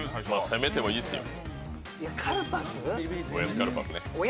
攻めてもいいですよ。